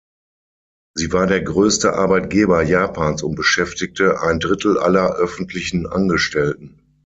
Sie war der größte Arbeitgeber Japans und beschäftigte ein Drittel aller öffentlichen Angestellten.